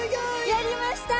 やりました！